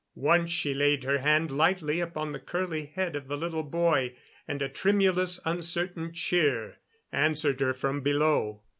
Once she laid her hand lightly upon the curly head of the little boy, and a tremulous, uncertain cheer answered her from below.